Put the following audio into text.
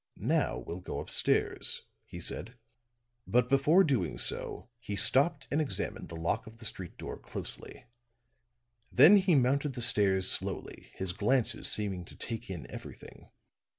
"Now we'll go upstairs," he said. But before doing so he stopped and examined the lock of the street door closely; then he mounted the stairs slowly, his glances seeming to take in everything.